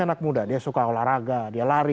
anak muda dia suka olahraga dia lari